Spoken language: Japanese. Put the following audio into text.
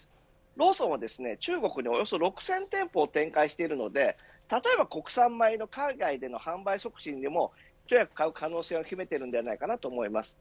ローソンは、中国におよそ６０００店舗展開しているので国産米の海外での販売促進にも一役買う可能性は秘めているのではないかと思います。